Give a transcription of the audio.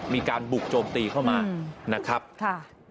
มีการบุกโจมตีเข้ามานะครับ